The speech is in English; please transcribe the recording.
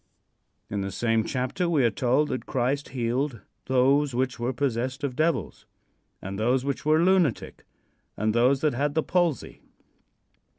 In the same chapter we are told that Christ healed "those which were possessed of devils, and those which were lunatic, and those that had the palsy."